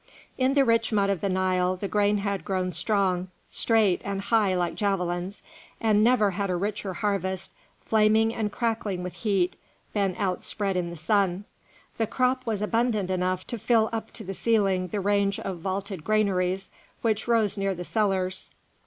In the rich mud of the Nile the grain had grown strong, straight, and high like javelins, and never had a richer harvest, flaming and crackling with heat, been outspread in the sun. The crop was abundant enough to fill up to the ceiling the range of vaulted granaries which rose near the cellars.